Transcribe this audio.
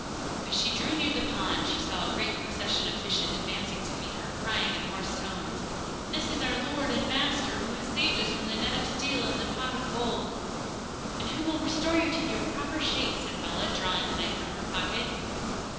As she drew near the pond she saw a great procession of fishes advancing to meet her, crying in hoarse tones: 'This is our lord and master, who has saved us from the net of steel and the pot of gold!' 'And who will restore you to your proper shapes,' said Bellah, drawing the knife from her pocket.